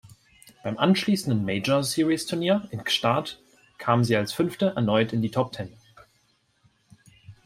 Beim anschließenden Major-Series-Turnier in Gstaad kamen sie als Fünfte erneut in die Top Ten.